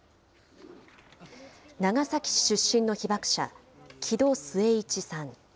長崎市出身の被爆者、木戸季市さん。